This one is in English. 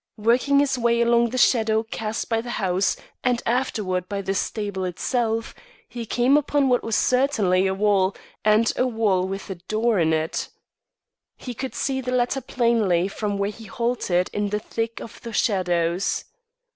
Working his way along in the shadow cast by the house and afterward by the stable itself, he came upon what was certainly a wall and a wall with a door in it. He could see the latter plainly from where he halted in the thick of the shadows.